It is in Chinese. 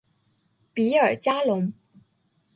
比尔加龙。